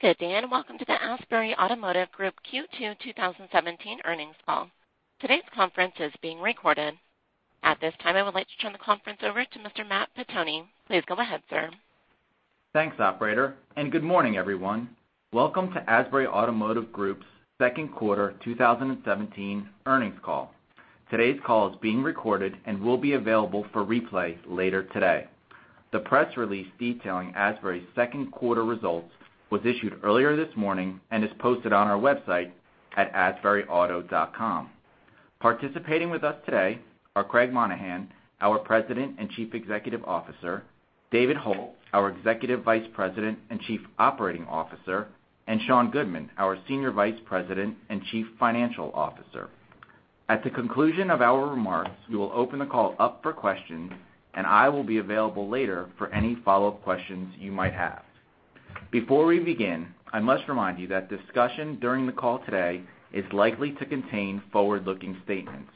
Good day, welcome to the Asbury Automotive Group Q2 2017 earnings call. Today's conference is being recorded. At this time, I would like to turn the conference over to Mr. Matt Pettoni. Please go ahead, sir. Thanks, operator, good morning, everyone. Welcome to Asbury Automotive Group's second quarter 2017 earnings call. Today's call is being recorded and will be available for replay later today. The press release detailing Asbury's second quarter results was issued earlier this morning and is posted on our website at asburyauto.com. Participating with us today are Craig Monaghan, our President and Chief Executive Officer, David Hult, our Executive Vice President and Chief Operating Officer, and Sean Goodman, our Senior Vice President and Chief Financial Officer. At the conclusion of our remarks, we will open the call up for questions, I will be available later for any follow-up questions you might have. Before we begin, I must remind you that discussion during the call today is likely to contain forward-looking statements.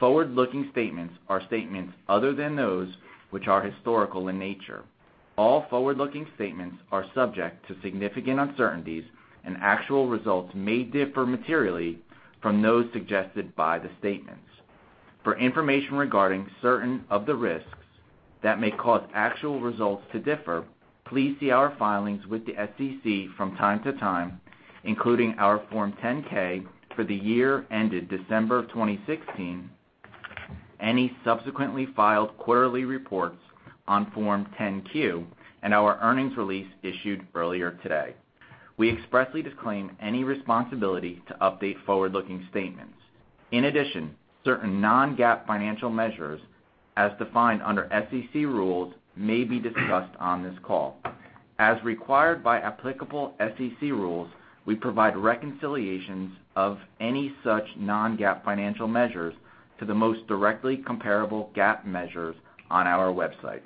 Forward-looking statements are statements other than those which are historical in nature. All forward-looking statements are subject to significant uncertainties and actual results may differ materially from those suggested by the statements. For information regarding certain of the risks that may cause actual results to differ, please see our filings with the SEC from time to time, including our Form 10-K for the year ended December 2016, any subsequently filed quarterly reports on Form 10-Q, our earnings release issued earlier today. We expressly disclaim any responsibility to update forward-looking statements. In addition, certain non-GAAP financial measures, as defined under SEC rules, may be discussed on this call. As required by applicable SEC rules, we provide reconciliations of any such non-GAAP financial measures to the most directly comparable GAAP measures on our website.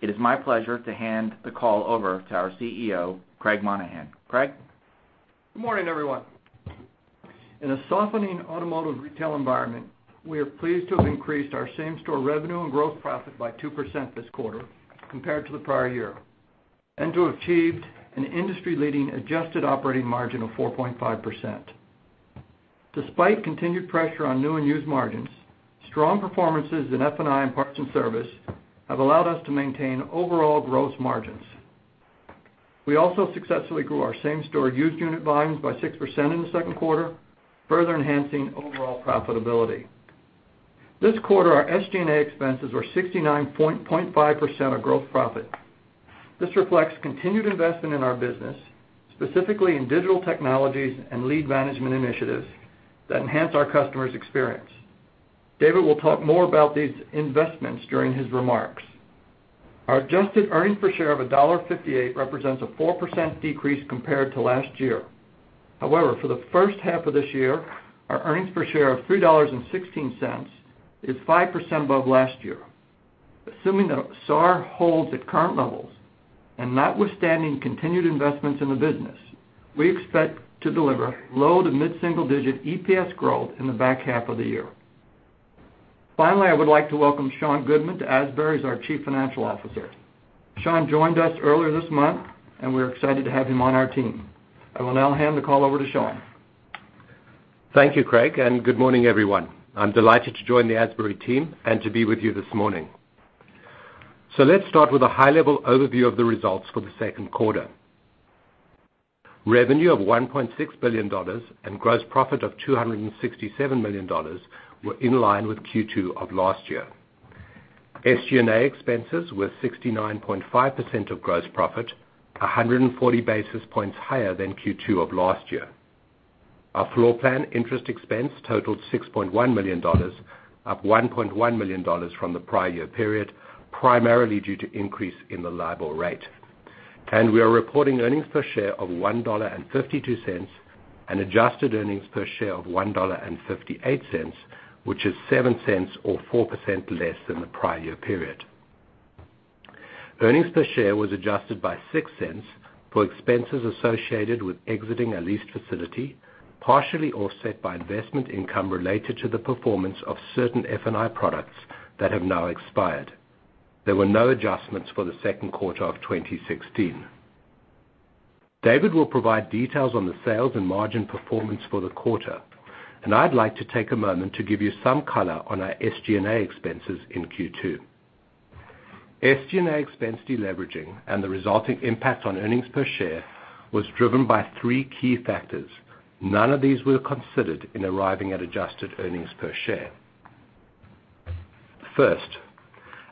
It is my pleasure to hand the call over to our CEO, Craig Monaghan. Craig? Good morning, everyone. In a softening automotive retail environment, we are pleased to have increased our same-store revenue and gross profit by 2% this quarter compared to the prior year and to have achieved an industry-leading adjusted operating margin of 4.5%. Despite continued pressure on new and used margins, strong performances in F&I and parts and service have allowed us to maintain overall gross margins. We also successfully grew our same-store used unit volumes by 6% in the second quarter, further enhancing overall profitability. This quarter, our SG&A expenses were 69.5% of gross profit. This reflects continued investment in our business, specifically in digital technologies and lead management initiatives that enhance our customers' experience. David will talk more about these investments during his remarks. Our adjusted earnings per share of $1.58 represents a 4% decrease compared to last year. For the first half of this year, our earnings per share of $3.16 is 5% above last year. Assuming that SAR holds at current levels and notwithstanding continued investments in the business, we expect to deliver low to mid-single digit EPS growth in the back half of the year. Finally, I would like to welcome Sean Goodman to Asbury as our Chief Financial Officer. Sean joined us earlier this month, and we're excited to have him on our team. I will now hand the call over to Sean. Thank you, Craig, and good morning, everyone. I'm delighted to join the Asbury team and to be with you this morning. Let's start with a high-level overview of the results for the second quarter. Revenue of $1.6 billion and gross profit of $267 million were in line with Q2 of last year. SG&A expenses were 69.5% of gross profit, 140 basis points higher than Q2 of last year. Our floor plan interest expense totaled $6.1 million, up $1.1 million from the prior year period, primarily due to increase in the LIBOR rate. We are reporting earnings per share of $1.52 and adjusted earnings per share of $1.58, which is $0.07 or 4% less than the prior year period. Earnings per share was adjusted by $0.06 for expenses associated with exiting a lease facility, partially offset by investment income related to the performance of certain F&I products that have now expired. There were no adjustments for the second quarter of 2016. David will provide details on the sales and margin performance for the quarter, and I'd like to take a moment to give you some color on our SG&A expenses in Q2. SG&A expense deleveraging and the resulting impact on earnings per share was driven by three key factors. None of these were considered in arriving at adjusted earnings per share. First,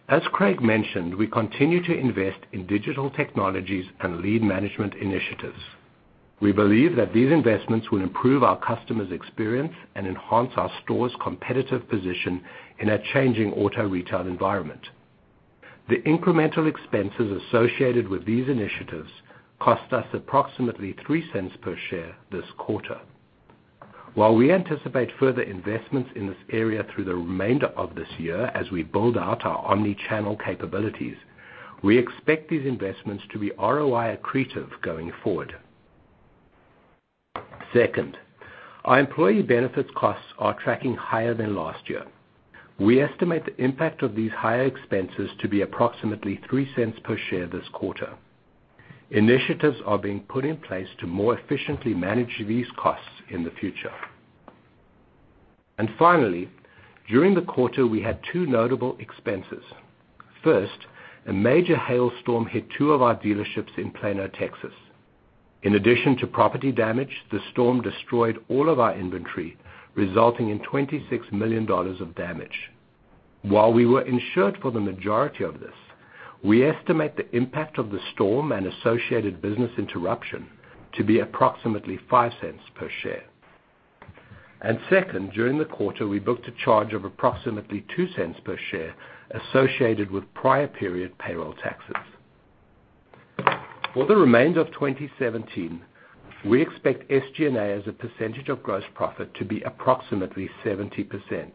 as Craig mentioned, we continue to invest in digital technologies and lead management initiatives. We believe that these investments will improve our customers' experience and enhance our stores' competitive position in a changing auto retail environment. The incremental expenses associated with these initiatives cost us approximately $0.03 per share this quarter. While we anticipate further investments in this area through the remainder of this year as we build out our omni-channel capabilities, we expect these investments to be ROI accretive going forward. Second, our employee benefits costs are tracking higher than last year. We estimate the impact of these higher expenses to be approximately $0.03 per share this quarter. Initiatives are being put in place to more efficiently manage these costs in the future. Finally, during the quarter, we had two notable expenses. First, a major hailstorm hit two of our dealerships in Plano, Texas. In addition to property damage, the storm destroyed all of our inventory, resulting in $26 million of damage. While we were insured for the majority of this, we estimate the impact of the storm and associated business interruption to be approximately $0.05 per share. Second, during the quarter, we booked a charge of approximately $0.02 per share associated with prior period payroll taxes. For the remainder of 2017, we expect SG&A as a percentage of gross profit to be approximately 70%.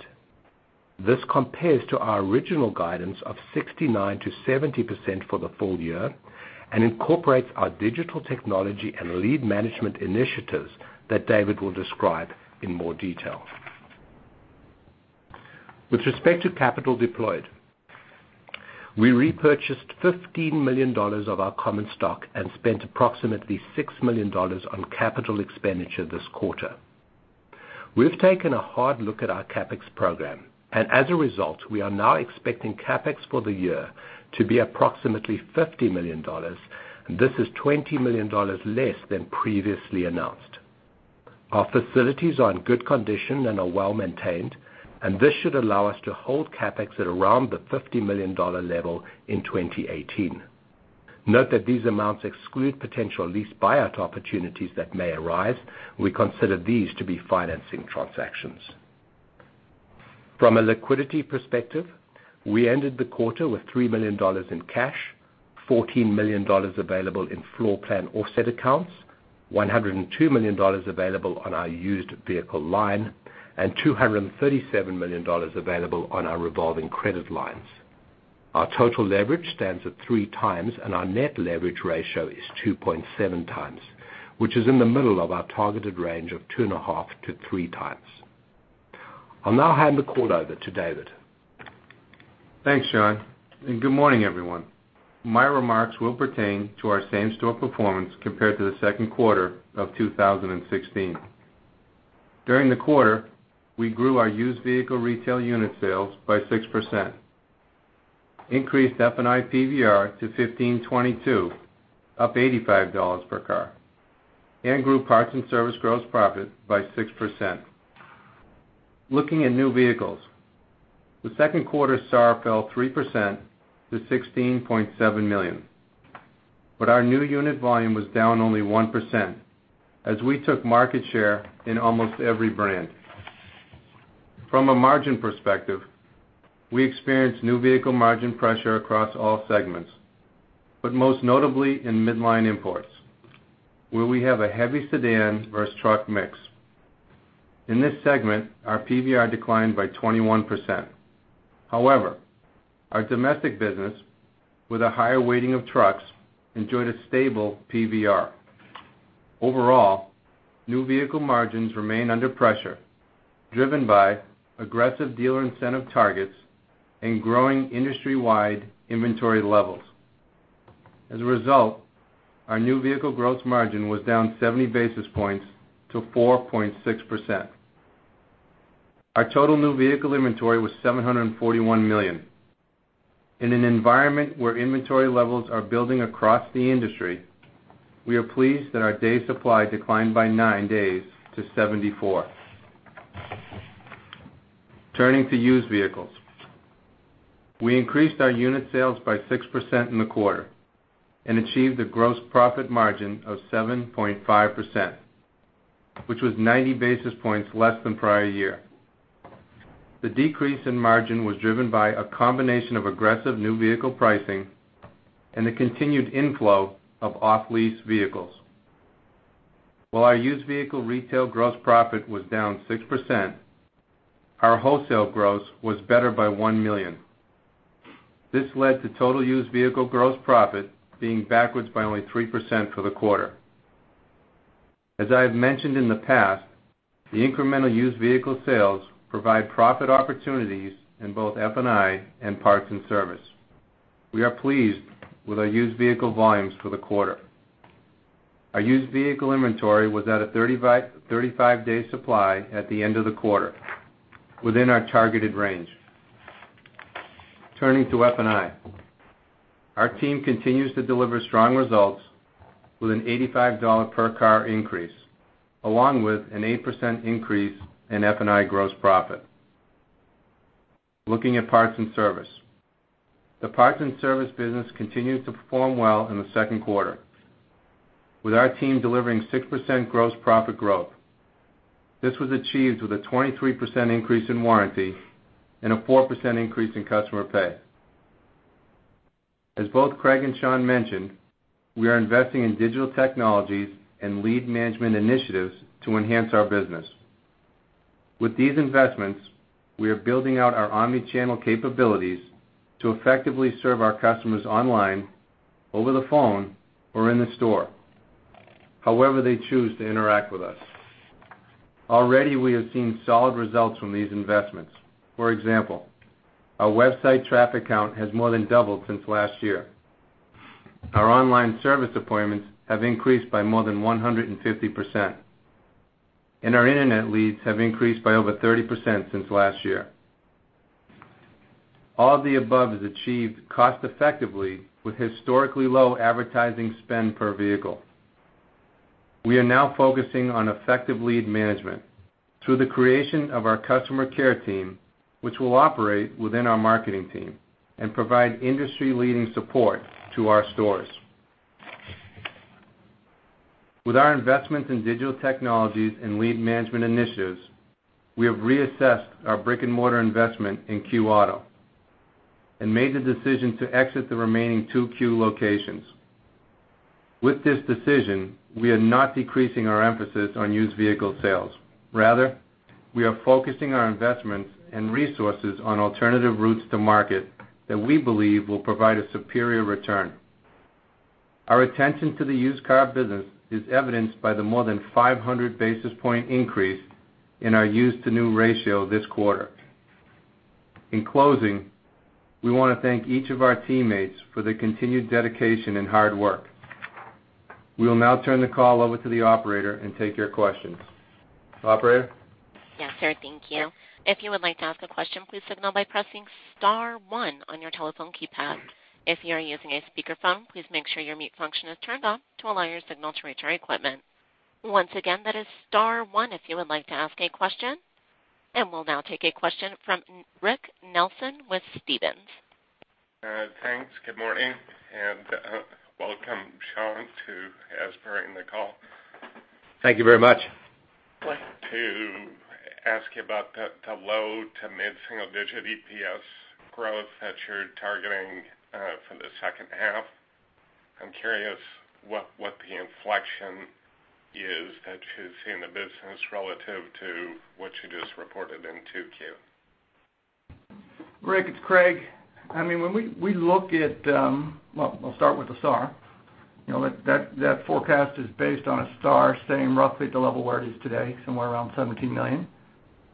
This compares to our original guidance of 69%-70% for the full year and incorporates our digital technology and lead management initiatives that David will describe in more detail. With respect to capital deployed, we repurchased $15 million of our common stock and spent approximately $6 million on capital expenditure this quarter. We've taken a hard look at our CapEx program. As a result, we are now expecting CapEx for the year to be approximately $50 million. This is $20 million less than previously announced. Our facilities are in good condition and are well-maintained. This should allow us to hold CapEx at around the $50 million level in 2018. Note that these amounts exclude potential lease buyout opportunities that may arise. We consider these to be financing transactions. From a liquidity perspective, we ended the quarter with $3 million in cash, $14 million available in floor plan offset accounts, $102 million available on our used vehicle line, and $237 million available on our revolving credit lines. Our total leverage stands at 3 times. Our net leverage ratio is 2.7 times, which is in the middle of our targeted range of 2.5-3 times. I'll now hand the call over to David. Thanks, Sean. Good morning, everyone. My remarks will pertain to our same-store performance compared to the second quarter of 2016. During the quarter, we grew our used vehicle retail unit sales by 6%, increased F&I PVR to $1,522, up $85 per car, and grew parts and service gross profit by 6%. Looking at new vehicles, the second quarter SAR fell 3% to 16.7 million. Our new unit volume was down only 1% as we took market share in almost every brand. From a margin perspective, we experienced new vehicle margin pressure across all segments, but most notably in midline imports, where we have a heavy sedan versus truck mix. In this segment, our PVR declined by 21%. However, our domestic business with a higher weighting of trucks enjoyed a stable PVR. Overall, new vehicle margins remain under pressure, driven by aggressive dealer incentive targets and growing industry-wide inventory levels. As a result, our new vehicle gross margin was down 70 basis points to 4.6%. Our total new vehicle inventory was $741 million. In an environment where inventory levels are building across the industry, we are pleased that our day supply declined by nine days to 74. Turning to used vehicles. We increased our unit sales by 6% in the quarter and achieved a gross profit margin of 7.5%, which was 90 basis points less than prior year. The decrease in margin was driven by a combination of aggressive new vehicle pricing and the continued inflow of off-lease vehicles. While our used vehicle retail gross profit was down 6%, our wholesale gross was better by $1 million. This led to total used vehicle gross profit being backwards by only 3% for the quarter. As I have mentioned in the past, the incremental used vehicle sales provide profit opportunities in both F&I and parts and service. We are pleased with our used vehicle volumes for the quarter. Our used vehicle inventory was at a 35-day supply at the end of the quarter, within our targeted range. Turning to F&I. Our team continues to deliver strong results with an $85 per car increase, along with an 8% increase in F&I gross profit. Looking at parts and service. The parts and service business continued to perform well in the second quarter, with our team delivering 6% gross profit growth. This was achieved with a 23% increase in warranty and a 4% increase in customer pay. As both Craig and Sean mentioned, we are investing in digital technologies and lead management initiatives to enhance our business. With these investments, we are building out our omni-channel capabilities to effectively serve our customers online, over the phone, or in the store, however they choose to interact with us. Already, we have seen solid results from these investments. For example, our website traffic count has more than doubled since last year. Our online service appointments have increased by more than 150%, and our internet leads have increased by over 30% since last year. All of the above is achieved cost effectively with historically low advertising spend per vehicle. We are now focusing on effective lead management through the creation of our customer care team, which will operate within our marketing team and provide industry-leading support to our stores. With our investments in digital technologies and lead management initiatives, we have reassessed our brick and mortar investment in Q auto and made the decision to exit the remaining two Q locations. With this decision, we are not decreasing our emphasis on used vehicle sales. Rather, we are focusing our investments and resources on alternative routes to market that we believe will provide a superior return. Our attention to the used car business is evidenced by the more than 500 basis point increase in our used-to-new ratio this quarter. In closing, we want to thank each of our teammates for their continued dedication and hard work. We will now turn the call over to the operator and take your questions. Operator? Yes, sir. Thank you. If you would like to ask a question, please signal by pressing star one on your telephone keypad. If you are using a speakerphone, please make sure your mute function is turned on to allow your signal to reach our equipment. Once again, that is star one if you would like to ask a question. We'll now take a question from Rick Nelson with Stephens. Thanks. Good morning, and welcome, Sean, to Asbury in the call. Thank you very much. I'd like to ask you about the low- to mid-single-digit EPS growth that you're targeting for the second half. I'm curious what the inflection is that you see in the business relative to what you just reported in 2Q. Rick, it's Craig. I'll start with the SAAR. That forecast is based on a SAAR staying roughly at the level where it is today, somewhere around 17 million.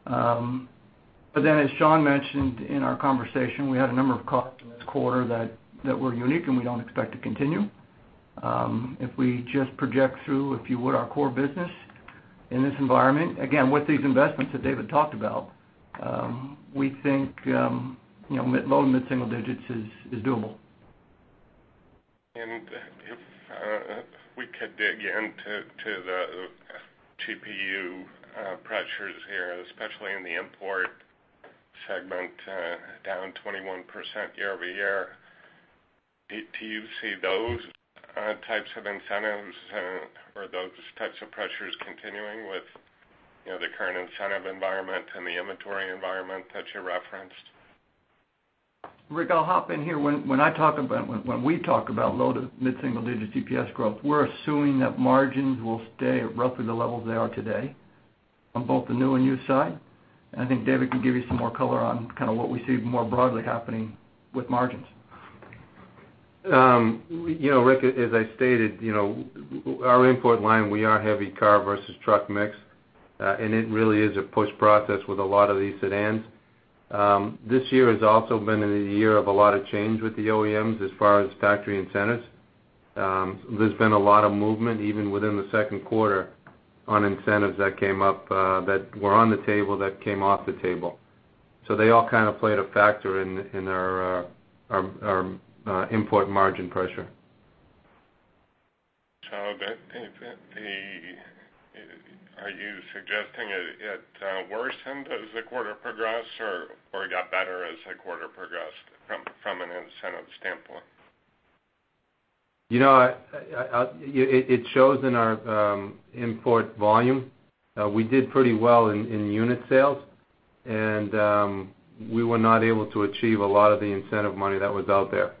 As Sean mentioned in our conversation, we had a number of cars in this quarter that were unique and we don't expect to continue. If we just project through, if you would, our core business in this environment, again, with these investments that David talked about, we think low- to mid-single digits is doable. If we could dig into the GPU pressures here, especially in the import segment, down 21% year-over-year. Do you see those types of incentives or those types of pressures continuing with the current incentive environment and the inventory environment that you referenced? Rick, I'll hop in here. When we talk about low- to mid-single digit EPS growth, we're assuming that margins will stay at roughly the levels they are today on both the new and used side. I think David can give you some more color on what we see more broadly happening with margins. Rick, as I stated, our import line, we are heavy car versus truck mix, it really is a push process with a lot of these sedans. This year has also been a year of a lot of change with the OEMs as far as factory incentives. There's been a lot of movement even within the second quarter on incentives that were on the table that came off the table. They all kind of played a factor in our import margin pressure. Are you suggesting it worsened as the quarter progressed or it got better as the quarter progressed from an incentive standpoint? It shows in our import volume. We did pretty well in unit sales, and we were not able to achieve a lot of the incentive money that was out there.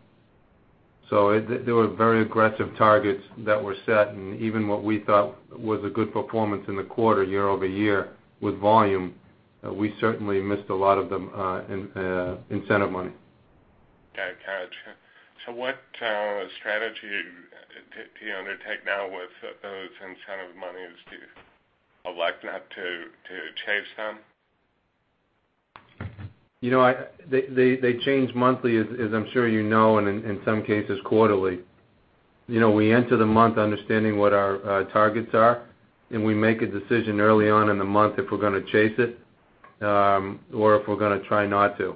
There were very aggressive targets that were set, and even what we thought was a good performance in the quarter year-over-year with volume, we certainly missed a lot of the incentive money. Got you. What strategy do you undertake now with those incentive monies? Do you elect not to chase them? They change monthly as I'm sure you know, and in some cases quarterly. We enter the month understanding what our targets are, and we make a decision early on in the month if we're going to chase it, or if we're going to try not to.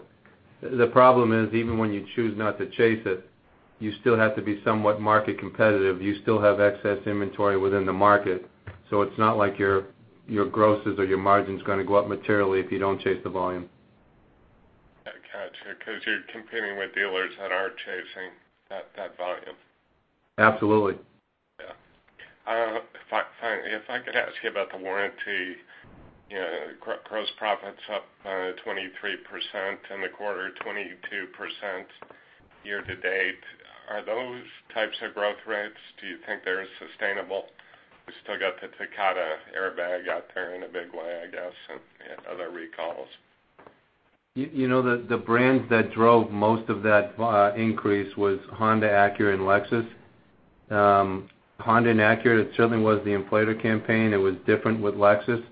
The problem is, even when you choose not to chase it, you still have to be somewhat market competitive. You still have excess inventory within the market. It's not like your grosses or your margins going to go up materially if you don't chase the volume. I got you. You're competing with dealers that are chasing that volume. Absolutely. Yeah. If I could ask you about the warranty. Gross profits up 23% in the quarter, 22% year-to-date. Are those types of growth rates, do you think they're sustainable? We still got the Takata airbag out there in a big way, I guess, and other recalls. The brands that drove most of that increase was Honda, Acura, and Lexus. Honda and Acura, it certainly was the inflator campaign. It was different with Lexus.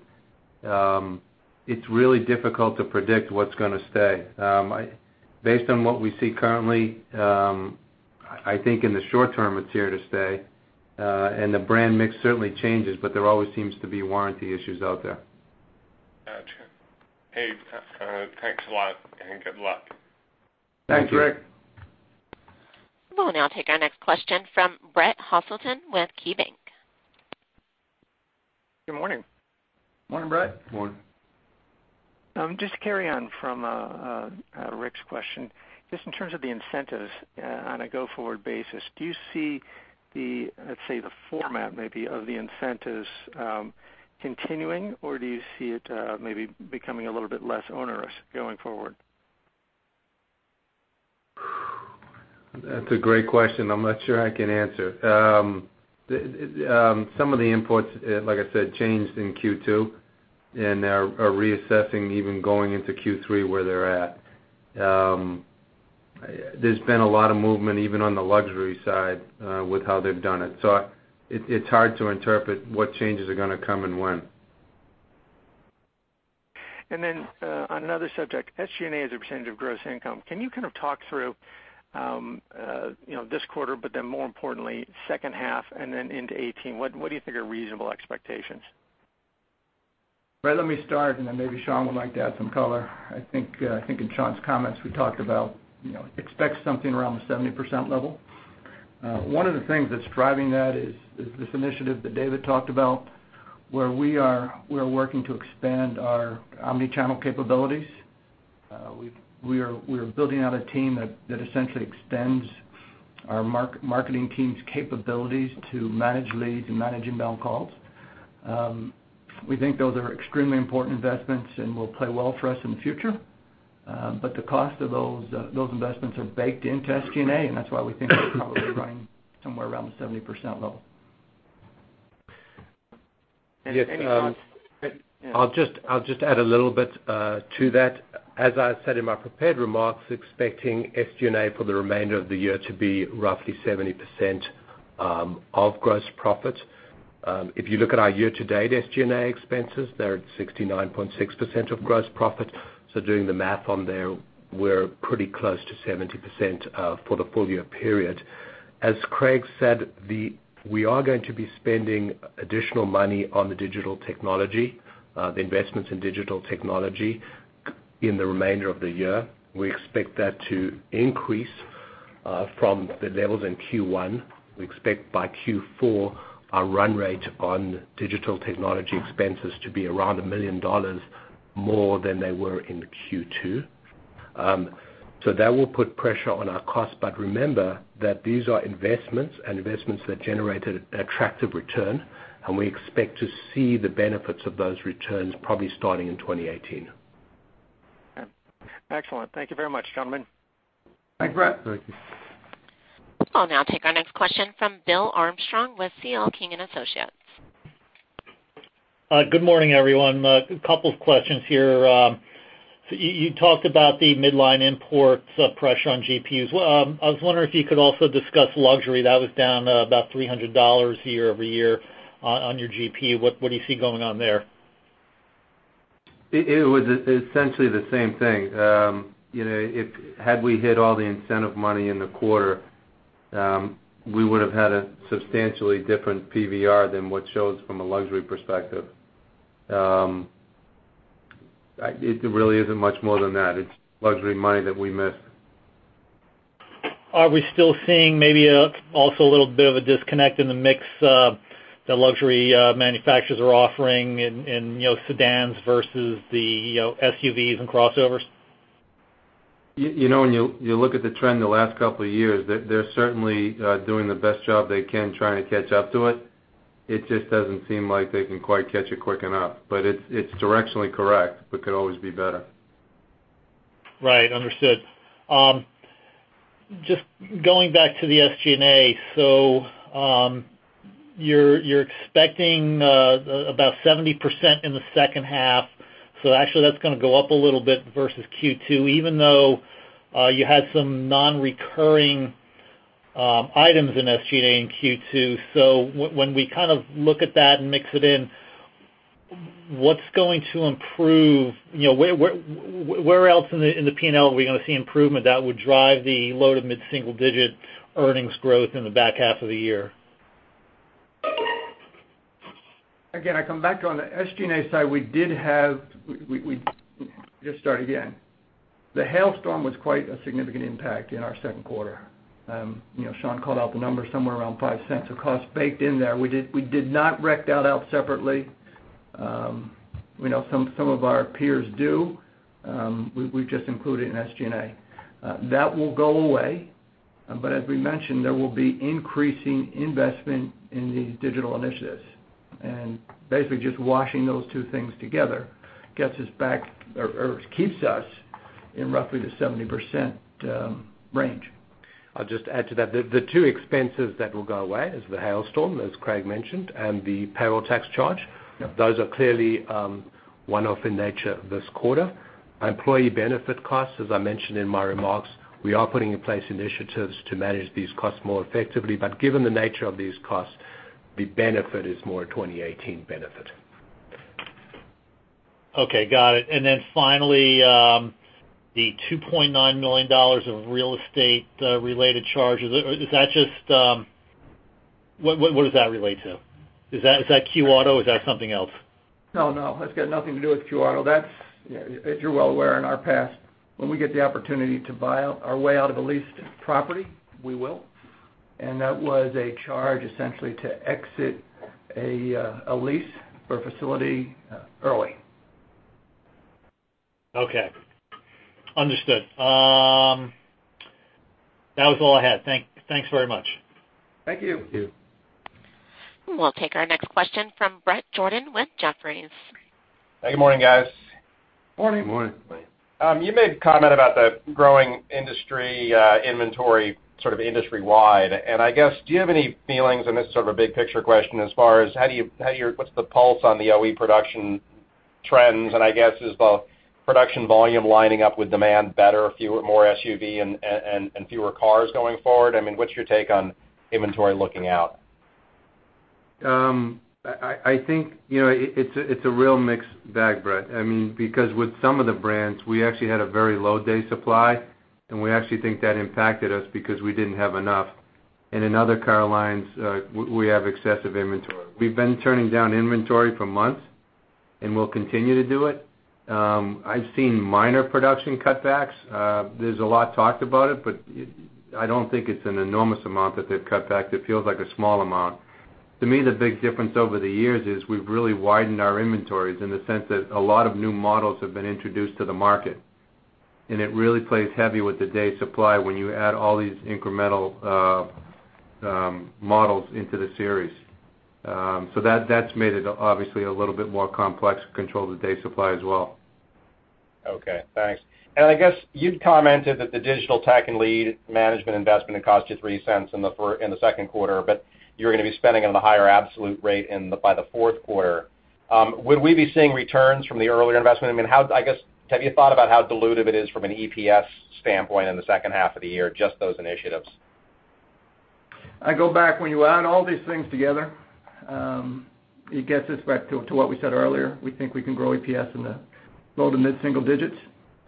It's really difficult to predict what's going to stay. Based on what we see currently, I think in the short term, it's here to stay. The brand mix certainly changes, but there always seems to be warranty issues out there. Gotcha. Hey, thanks a lot, and good luck. Thanks, Rick. We'll now take our next question from Brett Hoselton with KeyBank. Good morning. Morning, Brett. Morning. Just to carry on from Rick's question, just in terms of the incentives on a go-forward basis, do you see the, let's say, the format maybe of the incentives continuing, or do you see it maybe becoming a little bit less onerous going forward? That's a great question. I'm not sure I can answer. Some of the imports, like I said, changed in Q2, and are reassessing even going into Q3 where they're at. There's been a lot of movement, even on the luxury side, with how they've done it. It's hard to interpret what changes are going to come and when. On another subject, SG&A as a percentage of gross income. Can you kind of talk through this quarter, but then more importantly, second half and then into 2018? What do you think are reasonable expectations? Brett, let me start, and then maybe Sean would like to add some color. I think in Sean's comments, we talked about expect something around the 70% level. One of the things that's driving that is this initiative that David talked about where we are working to expand our omni-channel capabilities. We are building out a team that essentially extends our marketing team's capabilities to manage leads and manage inbound calls. We think those are extremely important investments and will play well for us in the future. The cost of those investments are baked into SG&A, and that's why we think they're probably running somewhere around the 70% level. Yes. Any thoughts- Yeah. I'll just add a little bit to that. As I said in my prepared remarks, expecting SG&A for the remainder of the year to be roughly 70% of gross profit. If you look at our year-to-date SG&A expenses, they're at 69.6% of gross profit. Doing the math on there, we're pretty close to 70% for the full-year period. As Craig said, we are going to be spending additional money on the digital technology, the investments in digital technology in the remainder of the year. We expect that to increase from the levels in Q1. We expect by Q4 our run rate on digital technology expenses to be around $1 million more than they were in Q2. That will put pressure on our cost. Remember that these are investments, and investments that generate an attractive return, and we expect to see the benefits of those returns probably starting in 2018. Okay. Excellent. Thank you very much, gentlemen. Thanks, Brett. Thank you. I'll now take our next question from Bill Armstrong with C.L. King & Associates. Good morning, everyone. A couple of questions here. You talked about the midline imports pressure on GPUs. I was wondering if you could also discuss luxury. That was down about $300 year-over-year on your GPU. What do you see going on there? It was essentially the same thing. Had we hit all the incentive money in the quarter, we would have had a substantially different PVR than what shows from a luxury perspective. There really isn't much more than that. It's luxury money that we missed. Are we still seeing maybe also a little bit of a disconnect in the mix the luxury manufacturers are offering in sedans versus the SUVs and crossovers? When you look at the trend in the last couple of years, they're certainly doing the best job they can trying to catch up to it. It just doesn't seem like they can quite catch it quick enough. It's directionally correct, but could always be better. Right. Understood. Just going back to the SG&A. You're expecting about 70% in the second half, so actually that's going to go up a little bit versus Q2, even though you had some non-recurring items in SG&A in Q2. When we kind of look at that and mix it in, what's going to improve? Where else in the P&L are we going to see improvement that would drive the low- to mid-single digit earnings growth in the back half of the year? I come back on the SG&A side. The hailstorm was quite a significant impact in our second quarter. Sean called out the number, somewhere around $0.05 of cost baked in there. We did not rec that out separately. We know some of our peers do. We've just included it in SG&A. That will go away. As we mentioned, there will be increasing investment in these digital initiatives. Basically just washing those two things together gets us back or keeps us in roughly the 70% range. I'll just add to that. The two expenses that will go away is the hailstorm, as Craig mentioned, and the payroll tax charge. Yep. Those are clearly one-off in nature this quarter. Employee benefit costs, as I mentioned in my remarks, we are putting in place initiatives to manage these costs more effectively. Given the nature of these costs, the benefit is more a 2018 benefit. Okay, got it. Finally, the $2.9 million of real estate-related charges. What does that relate to? Is that Q auto or is that something else? No, that's got nothing to do with Q auto. As you're well aware, in our past, when we get the opportunity to buy our way out of a leased property, we will. That was a charge, essentially, to exit a lease for a facility early. Okay. Understood. That was all I had. Thanks very much. Thank you. Thank you. We'll take our next question from Bret Jordan with Jefferies. Hey, good morning, guys. Morning. Morning. You made a comment about the growing industry inventory sort of industry-wide. I guess, do you have any feelings, and this is sort of a big-picture question, as far as what's the pulse on the OE production trends, I guess is the production volume lining up with demand better, more SUV and fewer cars going forward? I mean, what's your take on inventory looking out? I think it's a real mixed bag, Bret. With some of the brands, we actually had a very low day supply, and we actually think that impacted us because we didn't have enough. In other car lines, we have excessive inventory. We've been turning down inventory for months, and we'll continue to do it. I've seen minor production cutbacks. There's a lot talked about it, but I don't think it's an enormous amount that they've cut back. It feels like a small amount. To me, the big difference over the years is we've really widened our inventories in the sense that a lot of new models have been introduced to the market. It really plays heavy with the day supply when you add all these incremental models into the series. That's made it obviously a little bit more complex to control the day supply as well. Okay, thanks. I guess you'd commented that the digital tech and lead management investment had cost you $0.03 in the second quarter, but you're going to be spending on the higher absolute rate by the fourth quarter. Would we be seeing returns from the earlier investment? I mean, have you thought about how dilutive it is from an EPS standpoint in the second half of the year, just those initiatives? I go back, when you add all these things together, it gets us back to what we said earlier. We think we can grow EPS in the low to mid-single digits.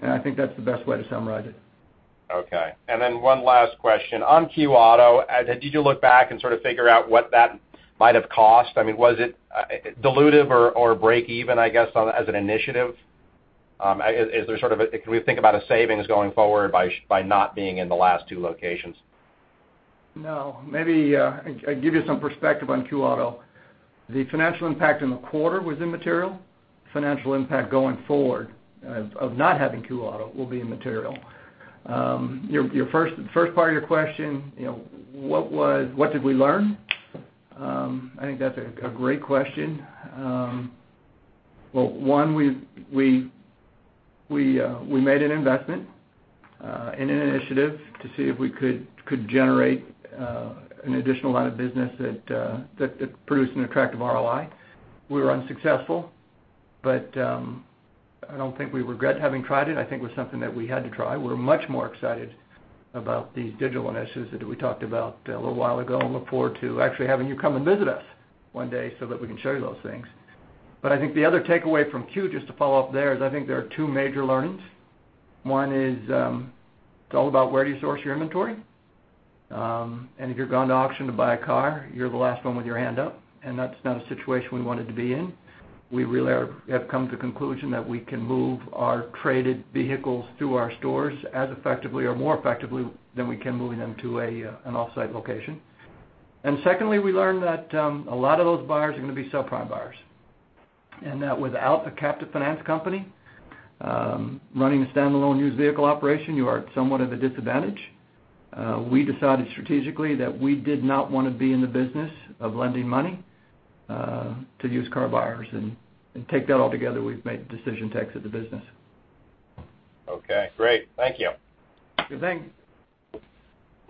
I think that's the best way to summarize it. Okay. One last question. On Q auto, did you look back and sort of figure out what that might have cost? I mean, was it dilutive or breakeven, I guess, as an initiative? Can we think about a savings going forward by not being in the last two locations? No. Maybe I'll give you some perspective on Q auto. The financial impact in the quarter was immaterial. Financial impact going forward of not having Q auto will be immaterial. Your first part of your question, what did we learn? I think that's a great question. Well, one, we made an investment in an initiative to see if we could generate an additional line of business that produced an attractive ROI. We were unsuccessful. I don't think we regret having tried it. I think it was something that we had to try. We're much more excited about these digital initiatives that we talked about a little while ago and look forward to actually having you come and visit us one day so that we can show you those things. I think the other takeaway from Q auto, just to follow up there, is I think there are two major learnings. One is, it's all about where do you source your inventory? If you're going to auction to buy a car, you're the last one with your hand up, and that's not a situation we wanted to be in. We really have come to the conclusion that we can move our traded vehicles through our stores as effectively or more effectively than we can moving them to an off-site location. Secondly, we learned that a lot of those buyers are going to be subprime buyers. That without a captive finance company running a standalone used vehicle operation, you are at somewhat of a disadvantage. We decided strategically that we did not want to be in the business of lending money to used car buyers. Take that all together, we've made the decision to exit the business. Okay, great. Thank you. Good. Thanks.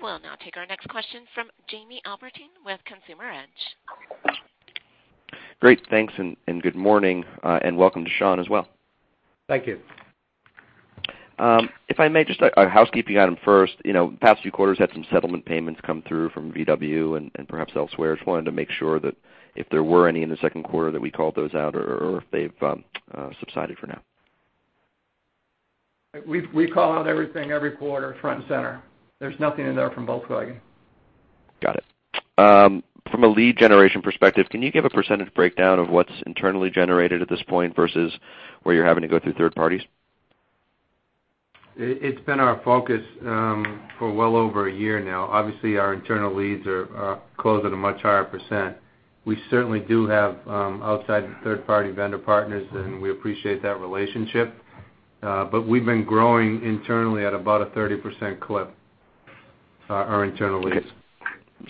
We'll now take our next question from Jamie Albertine with Consumer Edge. Great. Thanks, good morning. Welcome to Sean as well. Thank you. If I may, just a housekeeping item first. Past few quarters had some settlement payments come through from VW and perhaps elsewhere. Just wanted to make sure that if there were any in the second quarter, that we called those out, or if they've subsided for now. We call out everything every quarter, front and center. There's nothing in there from Volkswagen. Got it. From a lead generation perspective, can you give a % breakdown of what's internally generated at this point versus where you're having to go through third parties? It's been our focus for well over a year now. Obviously, our internal leads are closed at a much higher %. We certainly do have outside third-party vendor partners, and we appreciate that relationship. We've been growing internally at about a 30% clip, our internal leads.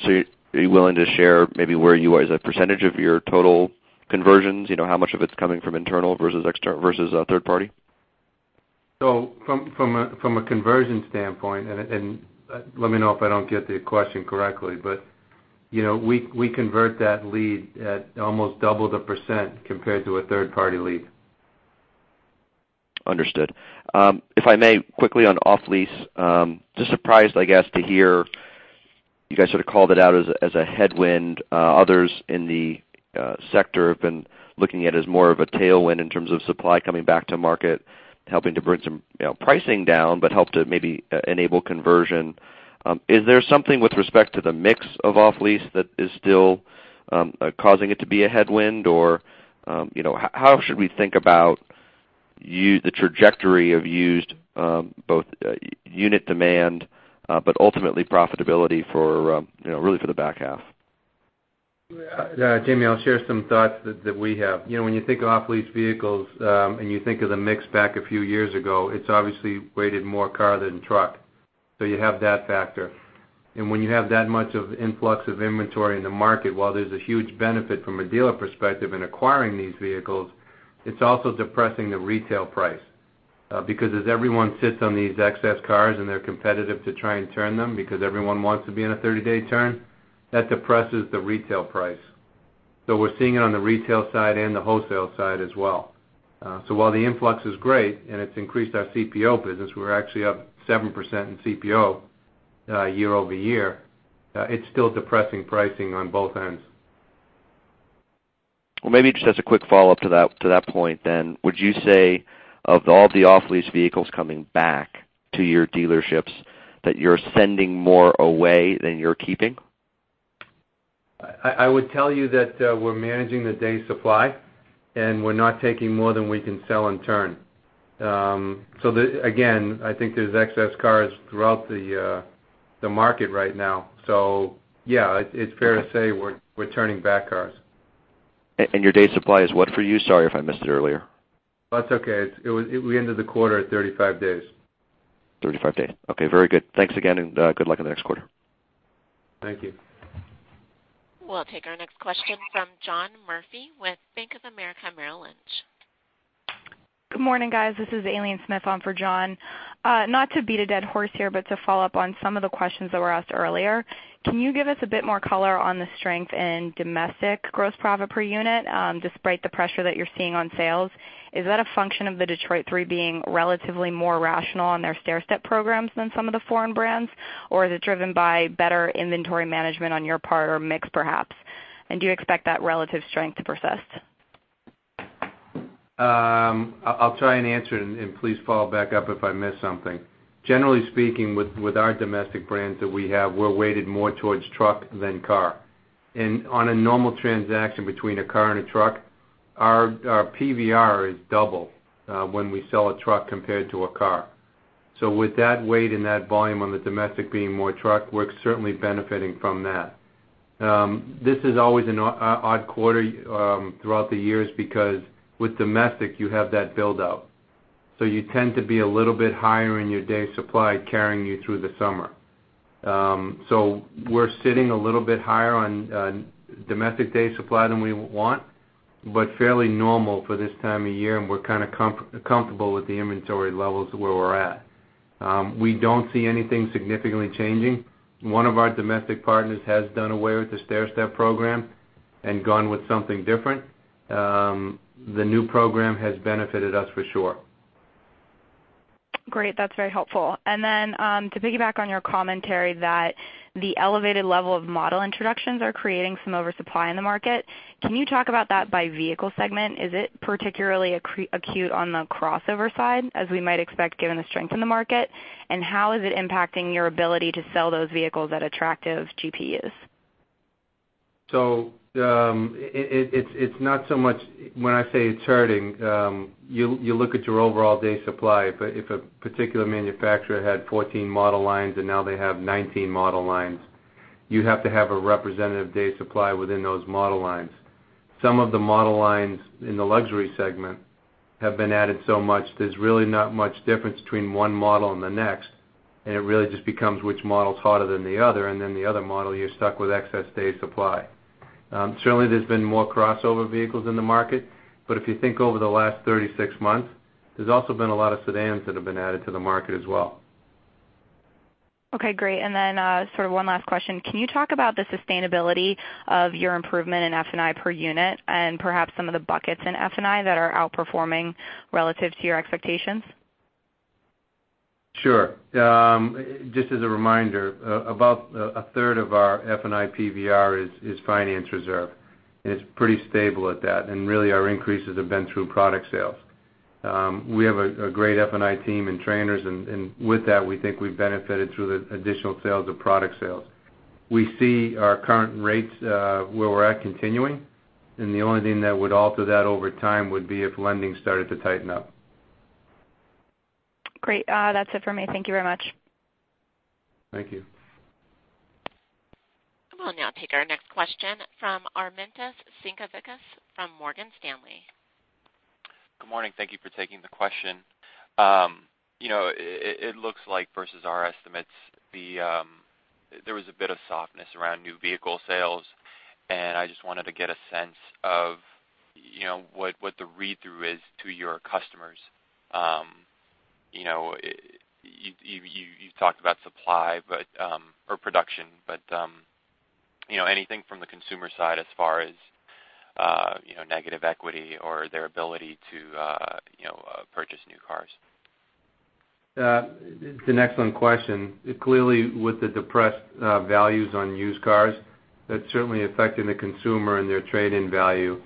Okay. Are you willing to share maybe where you are as a % of your total conversions? How much of it's coming from internal versus third party? From a conversion standpoint, let me know if I don't get the question correctly, we convert that lead at almost double the % compared to a third-party lead. Understood. If I may, quickly on off-lease, just surprised, I guess, to hear you guys sort of called it out as a headwind. Others in the sector have been looking at it as more of a tailwind in terms of supply coming back to market, helping to bring some pricing down, help to maybe enable conversion. Is there something with respect to the mix of off-lease that is still causing it to be a headwind? Or how should we think about the trajectory of used both unit demand but ultimately profitability really for the back half? Jamie, I'll share some thoughts that we have. When you think of off-lease vehicles and you think of the mix back a few years ago, it's obviously weighted more car than truck. You have that factor. When you have that much of influx of inventory in the market, while there's a huge benefit from a dealer perspective in acquiring these vehicles, it's also depressing the retail price. Because as everyone sits on these excess cars and they're competitive to try and turn them because everyone wants to be in a 30-day turn, that depresses the retail price. We're seeing it on the retail side and the wholesale side as well. While the influx is great and it's increased our CPO business, we're actually up 7% in CPO year-over-year. It's still depressing pricing on both ends. Well, maybe just as a quick follow-up to that point, would you say of all the off-lease vehicles coming back to your dealerships, that you're sending more away than you're keeping? I would tell you that we're managing the day supply, and we're not taking more than we can sell in turn. Again, I think there's excess cars throughout the market right now. Yeah, it's fair to say we're turning back cars. Your day supply is what for you? Sorry if I missed it earlier. That's okay. We ended the quarter at 35 days. 35 days. Okay, very good. Thanks again, and good luck on the next quarter. Thank you. We'll take our next question from John Murphy with Bank of America Merrill Lynch. Good morning, guys. This is Aileen Smith on for John. Not to beat a dead horse here, but to follow up on some of the questions that were asked earlier. Can you give us a bit more color on the strength in domestic gross profit per unit, despite the pressure that you're seeing on sales? Is that a function of the Detroit Three being relatively more rational on their stairstep programs than some of the foreign brands? Or is it driven by better inventory management on your part or mix perhaps? Do you expect that relative strength to persist? I'll try and answer it, and please follow back up if I miss something. Generally speaking, with our domestic brands that we have, we're weighted more towards truck than car. On a normal transaction between a car and a truck, our PVR is double when we sell a truck compared to a car. With that weight and that volume on the domestic being more truck, we're certainly benefiting from that. This is always an odd quarter throughout the years because with domestic, you have that buildup. You tend to be a little bit higher in your day supply carrying you through the summer. We're sitting a little bit higher on domestic day supply than we want, but fairly normal for this time of year, and we're kind of comfortable with the inventory levels where we're at. We don't see anything significantly changing. One of our domestic partners has done away with the stairstep program and gone with something different. The new program has benefited us for sure. Great. That's very helpful. Then to piggyback on your commentary that the elevated level of model introductions are creating some oversupply in the market, can you talk about that by vehicle segment? Is it particularly acute on the crossover side, as we might expect, given the strength in the market? How is it impacting your ability to sell those vehicles at attractive GPUs? It's not so much when I say it's charting, you look at your overall day supply. If a particular manufacturer had 14 model lines and now they have 19 model lines, you have to have a representative day supply within those model lines. Some of the model lines in the luxury segment have been added so much, there's really not much difference between one model and the next, and it really just becomes which model is hotter than the other, and then the other model, you're stuck with excess day supply. Certainly, there's been more crossover vehicles in the market, but if you think over the last 36 months, there's also been a lot of sedans that have been added to the market as well. Okay, great. Then sort of one last question. Can you talk about the sustainability of your improvement in F&I per unit and perhaps some of the buckets in F&I that are outperforming relative to your expectations? Sure. Just as a reminder, about a third of our F&I PVR is finance reserve, and it's pretty stable at that. Really our increases have been through product sales. We have a great F&I team and trainers, and with that, we think we've benefited through the additional sales of product sales. We see our current rates where we're at continuing, and the only thing that would alter that over time would be if lending started to tighten up. Great. That's it for me. Thank you very much. Thank you. We'll now take our next question from Armintas Sinkevicius from Morgan Stanley. Good morning. Thank you for taking the question. It looks like versus our estimates, there was a bit of softness around new vehicle sales. I just wanted to get a sense of what the read-through is to your customers. You talked about supply or production, but anything from the consumer side as far as negative equity or their ability to purchase new cars? It's an excellent question. Clearly, with the depressed values on used cars, that's certainly affecting the consumer and their trade-in value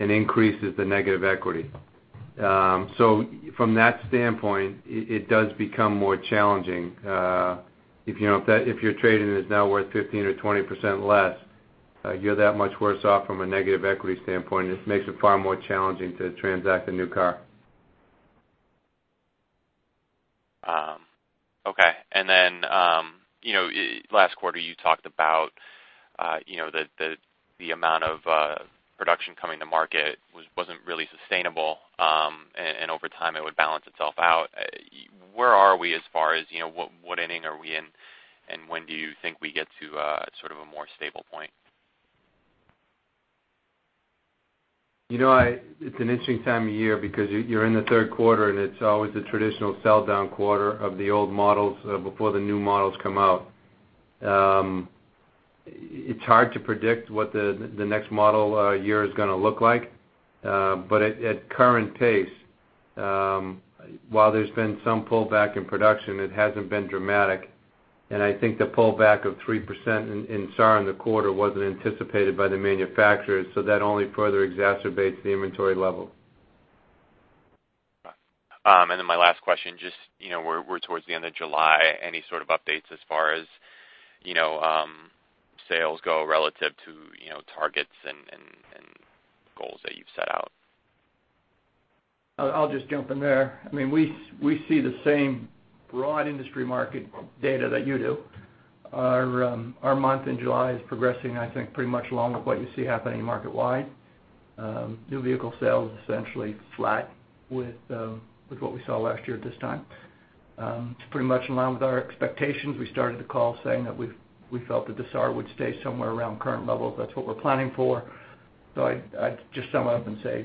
and increases the negative equity. From that standpoint, it does become more challenging. If your trade-in is now worth 15% or 20% less, you're that much worse off from a negative equity standpoint, and it makes it far more challenging to transact a new car. Okay. Then last quarter you talked about the amount of production coming to market wasn't really sustainable. Over time it would balance itself out. Where are we as far as what inning are we in, and when do you think we get to sort of a more stable point? It's an interesting time of year because you're in the third quarter. It's always the traditional sell-down quarter of the old models before the new models come out. It's hard to predict what the next model year is going to look like. At current pace, while there's been some pullback in production, it hasn't been dramatic. I think the pullback of 3% in SAAR in the quarter wasn't anticipated by the manufacturers, that only further exacerbates the inventory level. my last question, just we're towards the end of July. Any sort of updates as far as sales go relative to targets and goals that you've set out? I'll just jump in there. We see the same broad industry market data that you do. Our month in July is progressing, I think, pretty much along with what you see happening market-wide. New vehicle sales essentially flat with what we saw last year at this time. It's pretty much in line with our expectations. We started the call saying that we felt that the SAAR would stay somewhere around current levels. That's what we're planning for. I'd just sum up and say,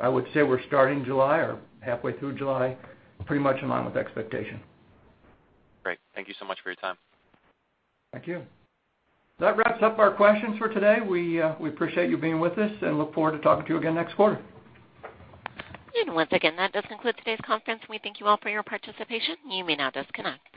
I would say we're starting July or halfway through July, pretty much in line with expectation. Great. Thank you so much for your time. Thank you. That wraps up our questions for today. We appreciate you being with us and look forward to talking to you again next quarter. Once again, that does conclude today's conference. We thank you all for your participation. You may now disconnect.